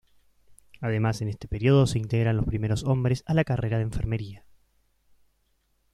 Además, en este periodo se integran los primeros hombres a la carrera de Enfermería.